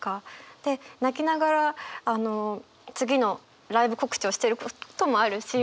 で泣きながら次のライブ告知をしてることもあるし。